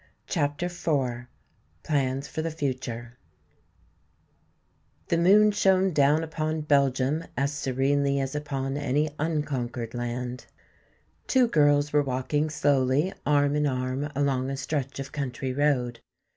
CHAPTER IV Plans for the Future The moon shone down upon Belgium as serenely as upon any unconquered land. Two girls were walking slowly arm in arm along a stretch of country road.